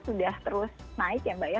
sudah terus naik ya mbak ya